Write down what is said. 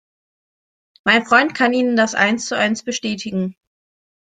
Mein Freund kann Ihnen das eins zu eins bestätigen.